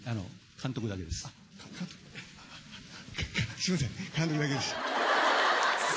すいません。